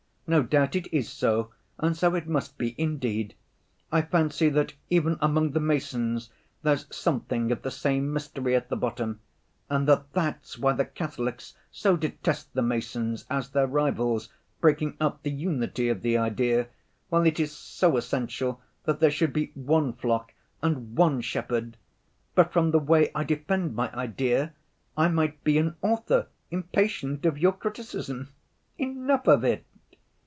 No doubt it is so, and so it must be indeed. I fancy that even among the Masons there's something of the same mystery at the bottom, and that that's why the Catholics so detest the Masons as their rivals breaking up the unity of the idea, while it is so essential that there should be one flock and one shepherd.... But from the way I defend my idea I might be an author impatient of your criticism. Enough of it."